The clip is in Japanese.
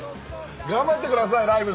頑張って下さいライブ